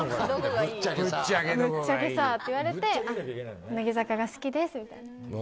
「ぶっちゃけさ」って言われて乃木坂が好きですみたいな。